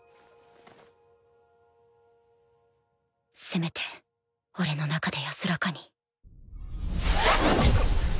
せめて俺の中で安らかに